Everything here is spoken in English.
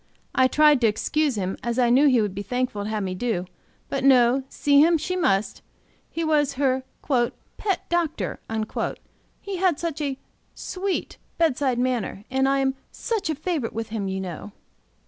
I tried to excuse him, as I knew he would be thankful to have me do, but no, see him she must; he was her "pet doctor," he had such "sweet, bedside manners," and "I am such a favorite with him, you know!"